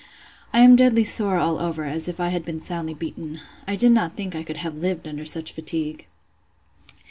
I am deadly sore all over, as if I had been soundly beaten. I did not think I could have lived under such fatigue.